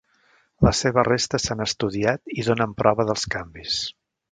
Les seves restes s'han estudiat i donen prova dels canvis.